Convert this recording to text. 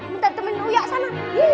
minta temen uyak sana